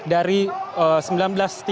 dan lebih berat